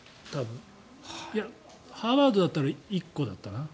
ハーバードだったら１個だったかな。